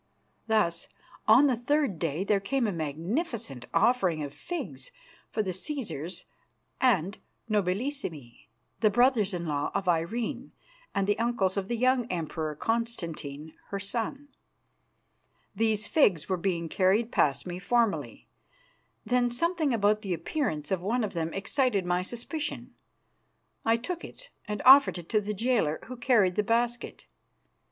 Thus, on the third day, there came a magnificent offering of figs for the Cæsars and Nobilissimi, the brothers in law of Irene and the uncles of the young Emperor Constantine, her son. These figs were being carried past me formally, when something about the appearance of one of them excited my suspicion. I took it and offered it to the jailer who carried the basket.